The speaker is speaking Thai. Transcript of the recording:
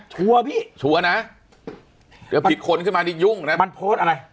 พี่ชัวร์นะเดี๋ยวผิดคนขึ้นมานี่ยุ่งนะมันโพสต์อะไร